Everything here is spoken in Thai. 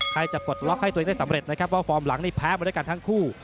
จะปลดล็อกให้ตัวเองได้สำเร็จนะครับว่าฟอร์มหลังนี่แพ้มาด้วยกันทั้งคู่